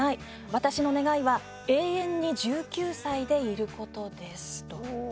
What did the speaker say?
私の願いは永遠に１９歳でいることです」。